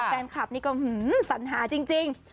แฟนคลับนี่ก็สัญหาจริง